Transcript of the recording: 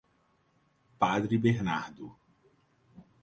Padre Bernardo